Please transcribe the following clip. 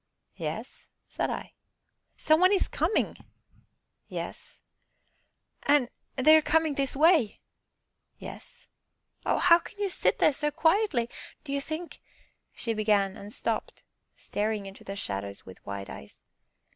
"Yes," said I. "Some one is coming!" "Yes." "And they are coming this way!" "Yes." "Oh how can you sit there so quietly? Do you think " she began, and stopped, staring into the shadows with wide eyes.